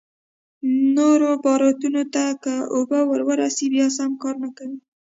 نورو باروتو ته که اوبه ورورسي بيا سم کار نه کوي.